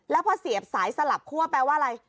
แล้วพอเสียบสายสลับคั่วแปลว่าอะไร